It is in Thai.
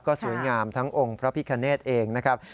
ก็สวยงามทั้งองค์พระพิคเนธเองนะครับ